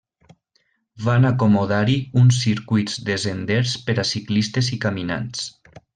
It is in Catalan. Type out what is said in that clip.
Van acomodar-hi uns circuits de senders per a ciclistes i caminants.